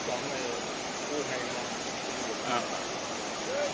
เฮ้ยเฮ้ย